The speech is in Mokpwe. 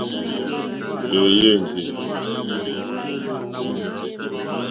Èèyé éŋɡê.